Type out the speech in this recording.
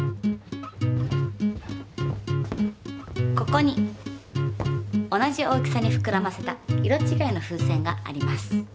ここに同じ大きさにふくらませた色ちがいの風船があります。